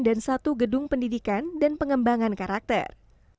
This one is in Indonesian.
dan satu gedung pendidikan dan pengembangan karakter